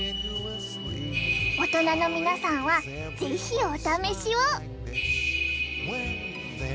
大人の皆さんは、ぜひお試しを！